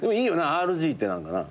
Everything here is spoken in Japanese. ＲＧって何かな。